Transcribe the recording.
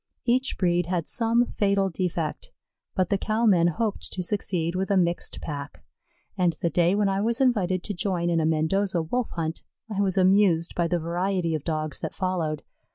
Each breed had some fatal defect, but the cow men hoped to succeed with a mixed pack, and the day when I was invited to join in a Mendoza Wolf hunt, I was amused by the variety of Dogs that followed.